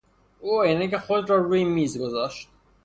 او عینک خود را روی میز گذاشت.